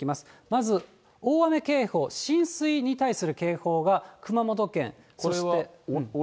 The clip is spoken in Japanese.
まず、大雨警報、浸水に対する警報が熊本県。